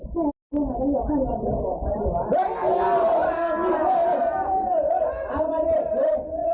เดี๋ยวเข้ามาเดี๋ยวออกไปดีกว่า